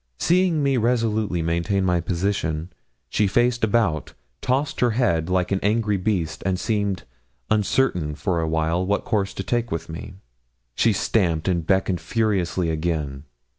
Seeing me resolutely maintain my position, she faced about, tossed her head, like an angry beast, and seemed uncertain for a while what course to take with me. She stamped and beckoned furiously again.